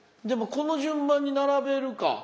でもこの順番に並べるか。